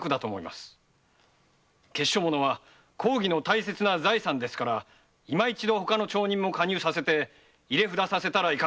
闕所物は公儀の大切な財産ですから今一度他の町人も加入させて入れ札させたらいかがでしょうか？